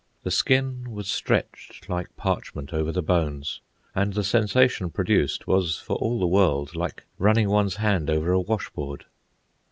The skin was stretched like parchment over the bones, and the sensation produced was for all the world like running one's hand over a washboard.